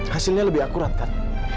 hasilnya lebih akurat kan